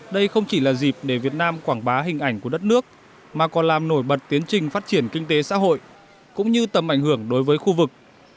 đây không chỉ là dịp để việt nam quảng bá hình ảnh của đất nước mà còn làm nổi bật tiến trình phát triển kinh tế xã hội cũng như tầm ảnh hưởng đối với khu vực